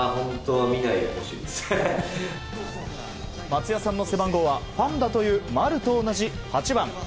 松也さんの背番号はファンだという丸と同じ８番。